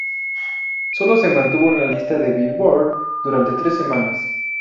Sólo se mantuvo en la lista del Billboard durante tres semanas.